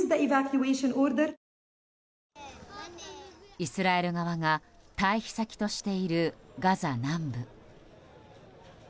イスラエル側が退避先としているガザ南部。